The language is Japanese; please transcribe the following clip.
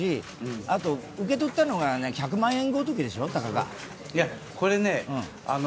あと、受け取ったのが１００万円ごときでしょ、たかが。